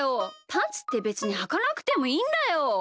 パンツってべつにはかなくてもいいんだよ。